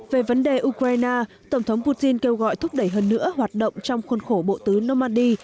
về vấn đề ukraine tổng thống putin kêu gọi thúc đẩy hơn nữa hoạt động trong khuôn khổ bộ tứ normandy